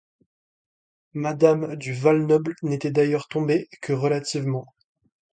Madame du Val-Noble n’était d’ailleurs tombée que relativement.